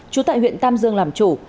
trú tại huyện tam dương làm chủ